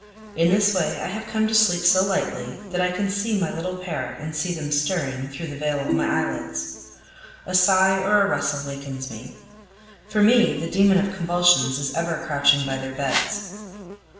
In this way I have come to sleep so lightly, that I can see my little pair and see them stirring, through the veil of my eyelids. A sigh or a rustle wakens me. For me, the demon of convulsions is ever crouching by their beds.